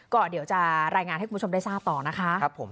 ก็เดี๋ยวจะรายงานให้คุณผู้ชมได้ทราบต่อนะคะ